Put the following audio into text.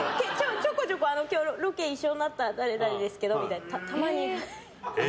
ちょこちょこ今日ロケで一緒になった誰々ですけどっていうのがたまに。